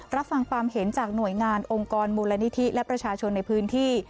รับฟังความเห็นจากหน่วยงานองค์กรมูลนิธิและประชาชนในพื้นที่